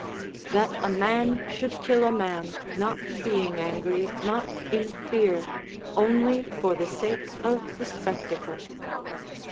["That a man should kill a man, not being angry, not in fear, only for the sake of the spectacle."